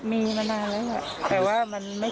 มีเมื่อนานแล้ว